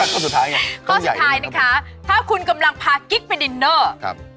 ข้อสุดท้ายนะคะถ้าคุณกำลังพากิ๊กไปดินเนอร์